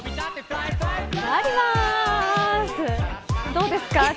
どうですか。